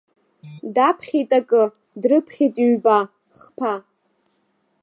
Даԥхьеит акы, дрыԥхьеит ҩба, хԥа.